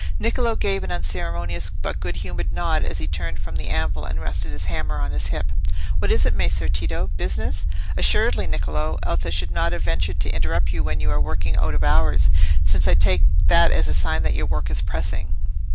Niccolò gave an unceremonious but good humoured nod as he turned from the anvil and rested his hammer on his hip. "What is it, Messer Tito? Business?" "Assuredly, Niccolò; else I should not have ventured to interrupt you when you are working out of hours, since I take that as a sign that your work is pressing."